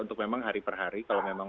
untuk memang hari per hari kalau memang